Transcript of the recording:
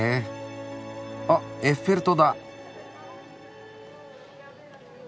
あっエッフェル塔だ。